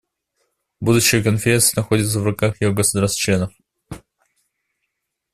Будущее Конференции находится в руках ее государств-членов.